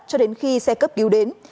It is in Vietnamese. cho đến khi xe cấp cứu đến